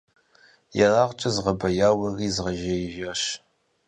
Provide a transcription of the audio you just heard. Ерагъкӏэ згъэбэяури згъэжеящ.